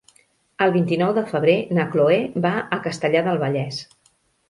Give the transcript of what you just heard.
El vint-i-nou de febrer na Chloé va a Castellar del Vallès.